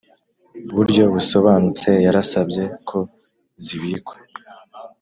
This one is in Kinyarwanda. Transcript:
Buryo busobanutse yarasabye ko zibikwa